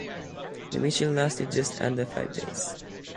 The mission lasted just under five days.